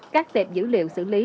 các tệp dữ liệu xử lý